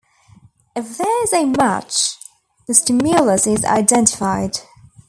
If there is a match, the stimulus is identified.